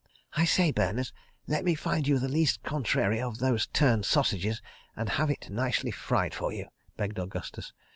"I say, Berners. Let me find you the least contrary of those turned sausages, and have it nicely fried for you," begged Augustus.